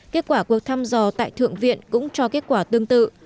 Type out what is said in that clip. kết quả cuộc thăm dò tại thượng viện cũng cho kết quả tương tự